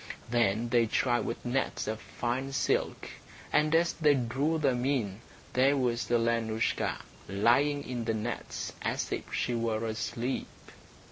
Then they tried with nets of fine silk, and, as they drew them in, there was Alenoushka lying in the nets as if she were asleep.